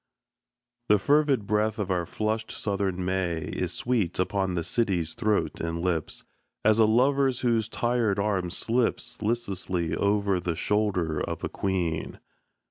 The fervid breath of our flushed Southern May Is sweet upon the city's throat and lips, As a lover's whose tired arm slips Listlessly over the shoulder of a queen.